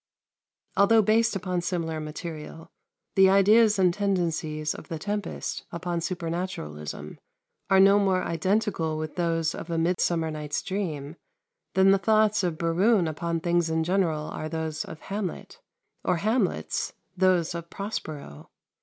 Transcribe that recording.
Although based upon similar material, the ideas and tendencies of "The Tempest" upon supernaturalism are no more identical with those of "A Midsummer Night's Dream" than the thoughts of Berowne upon things in general are those of Hamlet, or Hamlet's those of Prospero.